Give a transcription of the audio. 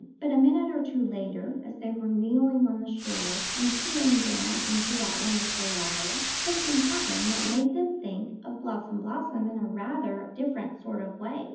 But a minute or two later, as they were kneeling on the shore and peering down into that wonderful water, something happened that made them think of Blossom blossom in rather a different sort of way.